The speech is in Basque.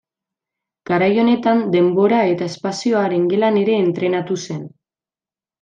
Garai honetan Denbora eta Espazioaren gelan ere entrenatu zen.